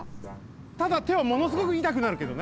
ただてはものすごくいたくなるけどね。